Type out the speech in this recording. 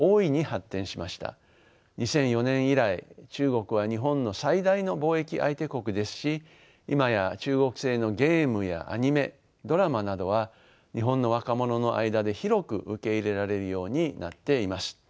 ２００４年以来中国は日本の最大の貿易相手国ですし今や中国製のゲームやアニメドラマなどは日本の若者の間で広く受け入れられるようになっています。